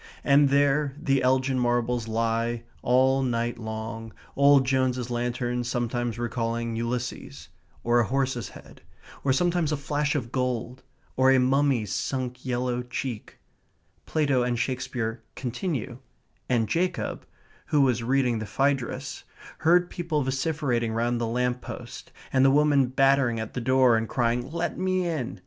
And there the Elgin Marbles lie, all night long, old Jones's lantern sometimes recalling Ulysses, or a horse's head; or sometimes a flash of gold, or a mummy's sunk yellow cheek. Plato and Shakespeare continue; and Jacob, who was reading the Phaedrus, heard people vociferating round the lamp post, and the woman battering at the door and crying, "Let me in!"